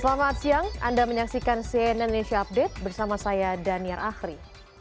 selamat siang anda menyaksikan cnn indonesia update bersama saya daniar ahri